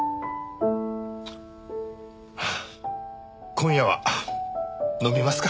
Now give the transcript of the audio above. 今夜は飲みますか。